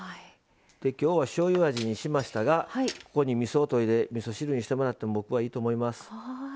きょうはしょうゆ味にしましたがここに、みそをといでみそ汁にしても僕がいいと思います。